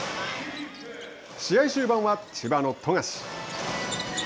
試合終盤は千葉の富樫。